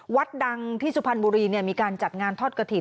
วัดดังที่สุพรรณบุรีมีการจัดงานทอดกระถิ่น